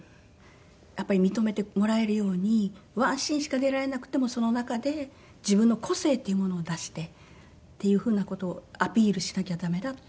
やっぱり認めてもらえるようにワンシーンしか出られなくてもその中で自分の個性っていうものを出してっていうふうな事をアピールしなきゃ駄目だって。